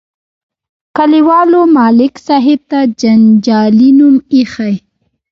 کلیوالو ملک صاحب ته جنجالي نوم ایښی.